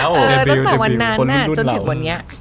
ตั้งแต่วันนั้นจนถึงวันนี้